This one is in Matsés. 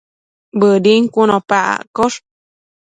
Bëdin cun opa accosh